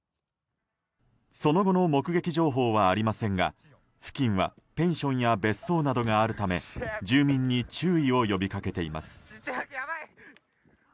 その後の目撃情報はありませんが付近はペンションや別荘などがあるため住民に注意を呼び掛けています。